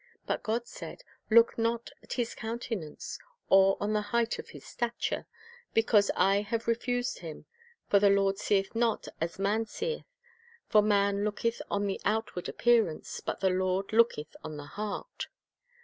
But God said, "Look not on his countenance, or on the height of his stature; because I have refused him; for the Lord seeth not as man seeth; for man looketh on the outward appearance, but the Lord looketh on the heart."